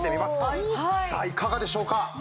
さあいかがでしょうか。